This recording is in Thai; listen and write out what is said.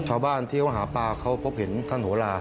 ชาวบ้านที่เขาหาปลาเขาพบเห็นท่านโหลา